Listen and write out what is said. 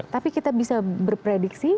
tapi kita bisa berprediksi